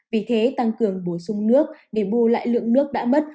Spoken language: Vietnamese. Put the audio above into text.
vì thế tăng cường bổ sung nước để bù lại lượng nước đã mất